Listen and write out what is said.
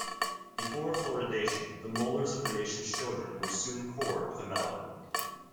Before fluoridation the molars of the nation's children were soon cored with amalgam.